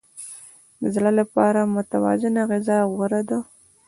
د زړه لپاره متوازنه غذا غوره ده.